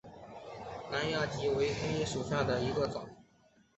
南亚稷为禾本科黍属下的一个种。